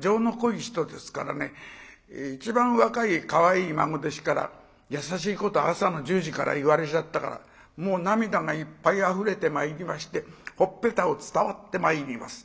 情の濃い人ですからね一番若いかわいい孫弟子から優しいこと朝の１０時から言われちゃったからもう涙がいっぱいあふれてまいりましてほっぺたを伝わってまいります。